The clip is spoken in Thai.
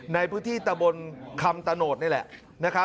ในพื้นที่ตะบนคำตะโนธนี่แหละ